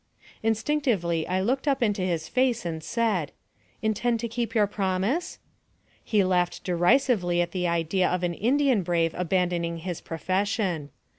Instinctively I looked up into his face, and said : "Intend to keep your promise?" He laughed de risively at the idea of an Indian brave abandoning his profession.